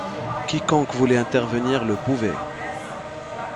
Quiconque voulait intervenir le pouvait.